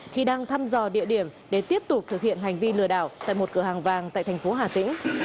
khi đang thăm dò địa điểm để tiếp tục thực hiện hành vi lừa đảo tại một cửa hàng vàng tại thành phố hà tĩnh